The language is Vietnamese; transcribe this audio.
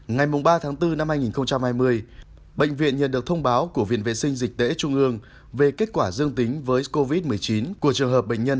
ngày ba tháng bốn năm hai nghìn hai mươi bệnh viện nhận được thông báo của viện vệ sinh dịch tễ trung ương về kết quả dương tính với covid một mươi chín của trường hợp bệnh nhân hai trăm ba mươi bảy này